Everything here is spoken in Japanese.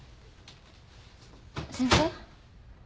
先生。